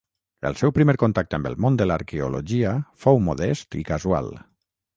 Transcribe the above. El seu primer contacte amb el món de l'arqueologia fou modest i casual.